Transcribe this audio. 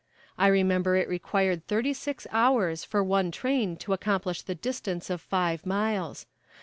I remember it required thirty six hours for one train to accomplish the distance of five miles.